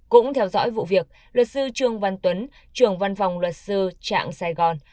cũng theo dõi vụ việc luật sư trương văn tuấn trưởng văn phòng luật sư trạng sài gòn